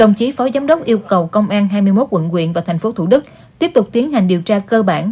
giám đốc yêu cầu công an hai mươi một quận quyện và thành phố thủ đức tiếp tục tiến hành điều tra cơ bản